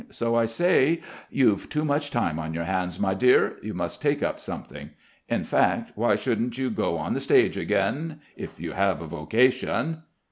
So I say: "You've too much time on your hands, my dear. You must take up something.... In fact, why shouldn't you go on the stage again, if you have a vocation."